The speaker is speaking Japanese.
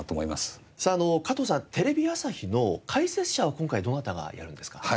加藤さんテレビ朝日の解説者は今回どなたがやるんですか？